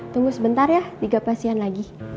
tunggu sebentar ya tiga pasien lagi